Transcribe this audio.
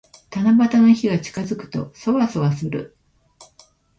七夕の日が近づくと、そわそわする。